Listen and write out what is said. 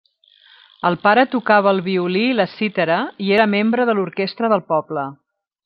El pare tocava el violí i la cítara, i era membre de l'orquestra del poble.